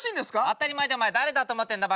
当たり前だお前誰だと思ってんだ